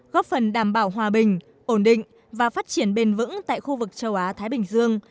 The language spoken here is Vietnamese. góp phần đảm bảo hòa bình ổn định và phát triển bền vững tại khu vực châu á thái bình dương